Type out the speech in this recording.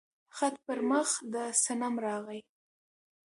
خط په مخ د صنم راغى